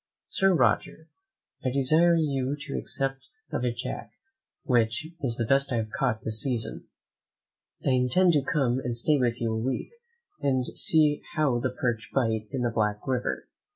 "Sir Roger, "I desire you to accept of a jack, which is the best I have caught this season. I intend to come and stay with you a week, and see how the perch bite in the Black River.